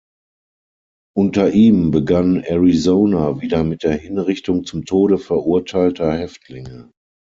Unter ihm begann Arizona wieder mit der Hinrichtung zum Tode verurteilter Häftlinge.